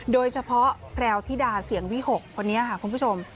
โดยเฉพาะแปลวทิดาเสียงวิหกคนนี้ค่ะคุณผู้ชม